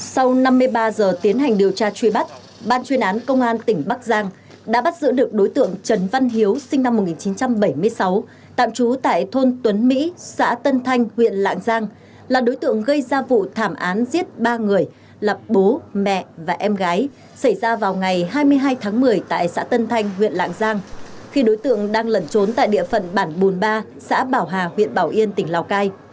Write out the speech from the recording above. sau năm mươi ba giờ tiến hành điều tra truy bắt ban chuyên án công an tỉnh bắc giang đã bắt giữ được đối tượng trần văn hiếu sinh năm một nghìn chín trăm bảy mươi sáu tạm trú tại thôn tuấn mỹ xã tân thanh huyện lạng giang là đối tượng gây ra vụ thảm án giết ba người là bố mẹ và em gái xảy ra vào ngày hai mươi hai tháng một mươi tại xã tân thanh huyện lạng giang khi đối tượng đang lẩn trốn tại địa phận bản bốn mươi ba xã bảo hà huyện bảo yên tỉnh lào cai